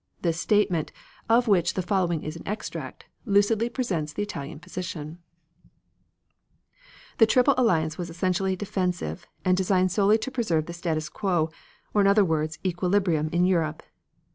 This statement, of which the following is an extract, lucidly presented the Italian position: "The Triple Alliance was essentially defensive, and designed solely to preserve the status quo, or in other words equilibrium, in Europe.